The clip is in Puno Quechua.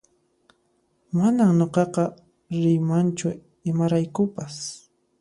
Manan nuqaqa riymanchu imaraykupas